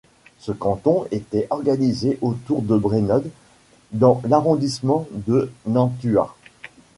Ce canton était organisé autour de Brénod dans l'arrondissement de Nantua.